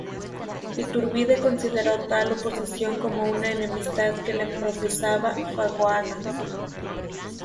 Iturbide consideró tal oposición como una enemistad que le profesaba Fagoaga.